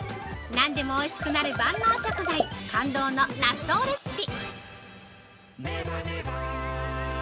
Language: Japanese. なんでもおいしくなる万能食材感動の納豆レシピ◆